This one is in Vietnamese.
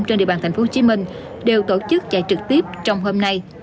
trên địa bàn tp hcm đều tổ chức chạy trực tiếp trong hôm nay